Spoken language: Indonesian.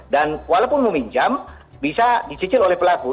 dan walaupun meminjam bisa dicicil oleh pelaku